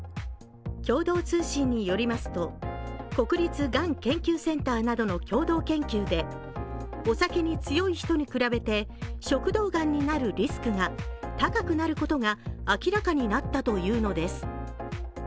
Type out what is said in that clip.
共同通信によりますと国立がん研究センターなどの共同研究でお酒に強い人に比べて食道がんになるリスクが高くなることが明らかになったというのです。